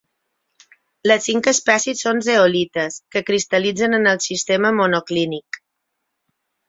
Les cinc espècies són zeolites que cristal·litzen en el sistema monoclínic.